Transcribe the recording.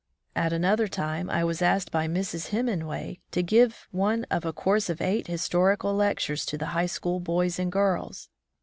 At another time I was asked by Mrs. Hemenway to give one of a course of eight historical lectures to the high school boys and girls.